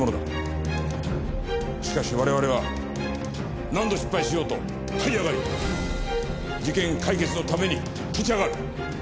しかし我々は何度失敗しようと這い上がり事件解決のために立ち上がる。